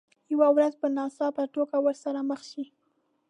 یوه ورځ به په ناڅاپي توګه ورسره مخ شئ.